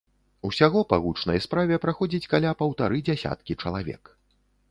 Усяго па гучнай справе праходзіць каля паўтары дзясяткі чалавек.